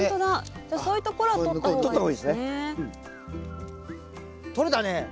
じゃそういう所はとった方がいいですね。